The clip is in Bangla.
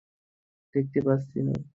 দেখতে পাচ্ছিস না, ওদের গুটি ফিট হয়ে আছে?